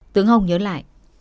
tướng hồng nhớ lại